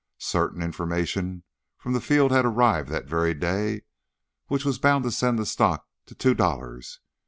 Certain information from the field had arrived that very day which was bound to send the stock to two dollars.